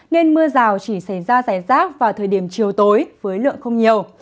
nên mưa rào chỉ xảy ra rải rác vào thời điểm chiều tối với lượng không nhiều